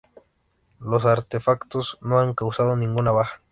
Los artefactos no han causado ninguna baja.